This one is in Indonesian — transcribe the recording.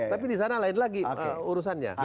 tapi disana lain lagi urusannya